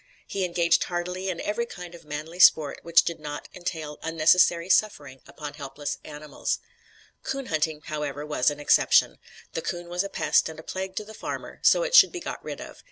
He engaged heartily in every kind of "manly sport" which did not entail unnecessary suffering upon helpless animals. Coon hunting, however, was an exception. The coon was a pest and a plague to the farmer, so it should be got rid of.